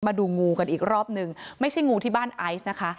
มาดูงูกันอีกรอบหนึ่งไม่ใช่งูที่บ้านไอซ์นะคะ